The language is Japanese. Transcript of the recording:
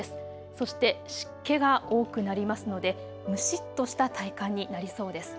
そして湿気が多くなりますので蒸しっとした体感になりそうです。